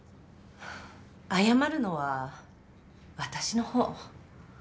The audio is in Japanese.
謝るのは私の方。